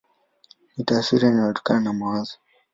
Ni taswira inayotokana na mawazo.